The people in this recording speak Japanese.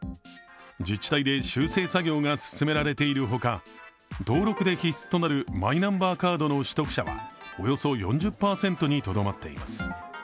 自治体で修正作業が進められているほか、登録で必須となるマイナンバーカードの取得者はおよそ４０％にとどまっています。